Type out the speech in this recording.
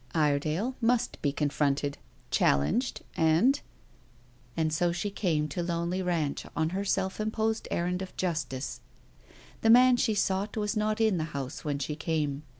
Iredale must be confronted, challenged, and And so she came to Lonely Ranch on her self imposed errand of justice. The man she sought was not in the house when she came.